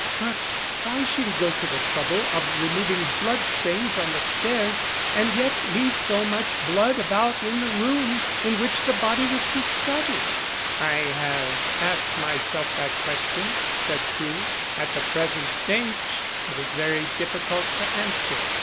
"But why should he go to the trouble of removing blood stains on the stairs and yet leave so much blood about in the room in which the body was discovered?" "I have asked myself that question," said Crewe. "At the present stage it is very difficult to answer."